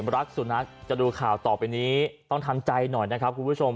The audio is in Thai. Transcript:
รักสุนัขจะดูข่าวต่อไปนี้ต้องทำใจหน่อยนะครับคุณผู้ชม